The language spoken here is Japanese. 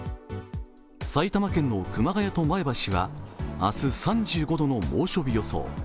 埼玉県の熊谷と前橋は明日、３５度の猛暑日予想。